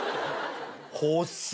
欲しい。